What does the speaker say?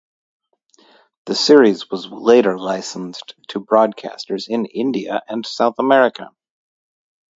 The series was later licensed to broadcasters in India and South America.